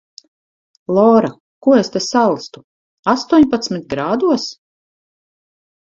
Lora, ko es te salstu? Astoņpadsmit grādos?!